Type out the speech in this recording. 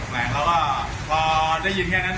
แหวนแล้วก็พอได้ยินแค่นั้น